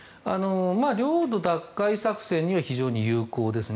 領土奪回作戦には非常に有効ですね。